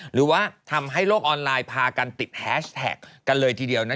หรือว่าทำให้โลกออนไลน์พากันติดแฮชแท็กกันเลยทีเดียวนะ